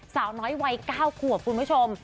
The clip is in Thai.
สาวน้อยวัย๙ขวบคุณผู้ชม